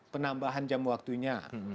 penambahan jam waktunya